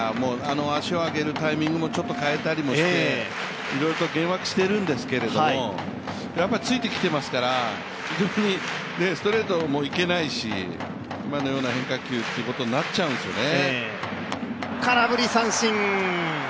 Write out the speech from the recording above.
足を上げるタイミングもちょっと変えたりしていろいろと幻惑しているんですけどついてきてますからストレートもいけないし、今のような変化球ということになっちゃうんですよね。